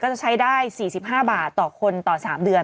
จะใช้ได้๔๕บาทต่อคนต่อ๓เดือน